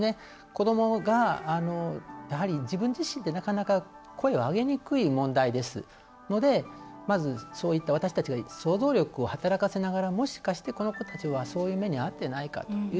子どもが自分自身でなかなか声を上げにくい問題ですので私たちが想像力を働かせながらもしかしてこの子たちはそういう目に遭っていないか。